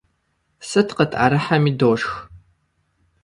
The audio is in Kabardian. Сыт къытӀэрыхьэми дошх!